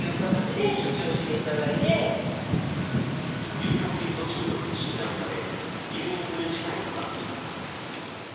硫化水素中毒と診断され入院する事態となっています。